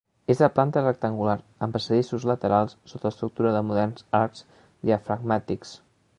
És de planta rectangular amb passadissos laterals sota l'estructura de moderns arcs diafragmàtics.